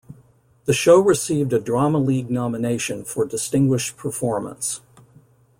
The show received a Drama League nomination for "Distinguished Performance".